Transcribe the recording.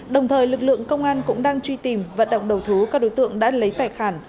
đồng thời lực lượng công an cũng đang truy tìm vận động đầu thú các đối tượng đã lấy tài sản